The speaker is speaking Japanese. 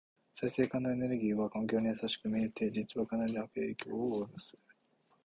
再生可能エネルギーは環境に優しく見えて、実はかなり悪影響を及ぼす。